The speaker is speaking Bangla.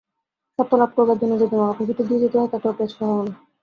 সত্যলাভ করবার জন্য যদি নরকের ভিতর দিয়ে যেতে হয়, তাতেও পেছ-পা হয়ো না।